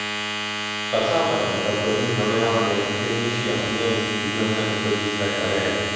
Dvacátá léta pro ni znamenala nejaktivnější a umělecky významné období své kariéry.